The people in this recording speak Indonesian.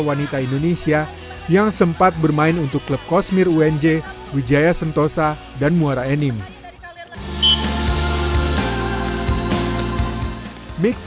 wanita indonesia yang sempat bermain untuk klub kosmetik